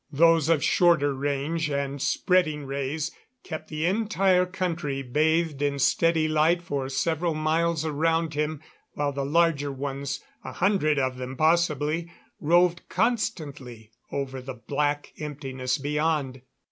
Those of shorter range, and spreading rays, kept the entire country bathed in steady light for several miles around him, while the larger ones a hundred of them possibly roved constantly over the black emptiness beyond.